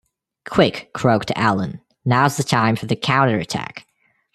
"Quick," croaked Alan, "now's the time for the counter-attack."